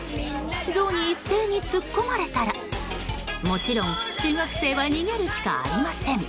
ゾウに一斉に突っ込まれたらもちろん、中学生は逃げるしかありません。